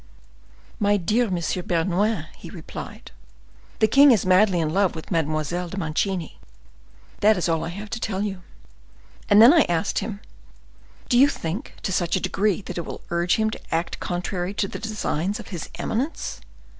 'My dear Monsieur Bernouin,' he replied, 'the king is madly in love with Mademoiselle de Mancini, that is all I have to tell you.' And then I asked him: 'Do you think, to such a degree that it will urge him to act contrary to the designs of his eminence?